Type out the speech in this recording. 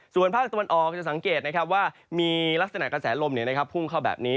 ส่วนภาคตะวันออกจะสังเกตนะครับว่ามีลักษณะกระแสลมพุ่งเข้าแบบนี้